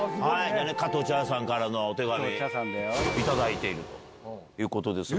加藤茶さんからのお手紙頂いているということですが。